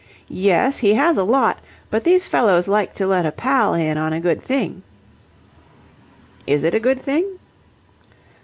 "Yes, he has a lot, but these fellows like to let a pal in on a good thing." "Is it a good thing?"